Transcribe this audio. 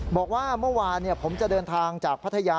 บอกว่าเมื่อวานผมจะเดินทางจากพัทยา